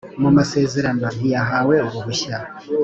Mu masezerano ntiyahawe uruhushya.